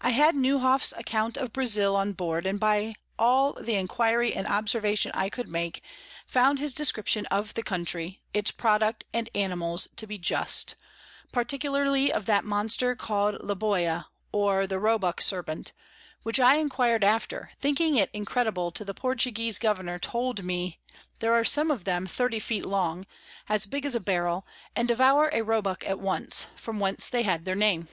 I had Newhoff's Account of Brazile on board, and by all the Enquiry and Observation I could make, found his Description of the Country, its Product and Animals, to be just; particularly of that Monster call'd Liboya, or the Roebuck Serpent, which I enquir'd after, thinking it incredible till the Portuguese Governour told me there are some of them 30 foot long, as big as a Barrel, and devour a Roebuck at once, from whence they had their name.